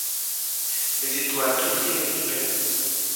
Mais il doit à tout prix les récupérer.